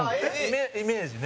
イメージね。